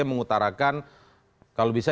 mengutarakan kalau bisa